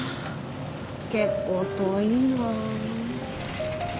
結構遠いな。